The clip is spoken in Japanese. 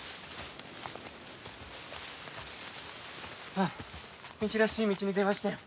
あっ道らしい道に出ましたよ。